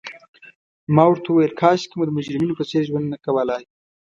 ما ورته وویل: کاشکي مو د مجرمینو په څېر ژوند نه کولای.